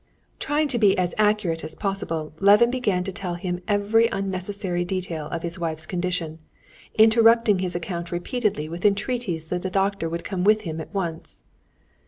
Trying to be as accurate as possible, Levin began to tell him every unnecessary detail of his wife's condition, interrupting his account repeatedly with entreaties that the doctor would come with him at once.